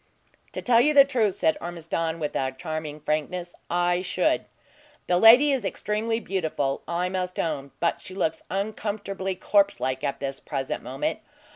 "To tell you the truth," said Ormiston, with charming frankness, "I should! The lady is extremely beautiful, I must own; but she looks uncomfortably corpse like at this present moment.